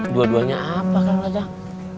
dua duanya apa kang ajak